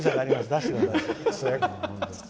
出してくださいよ。